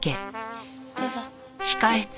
どうぞ。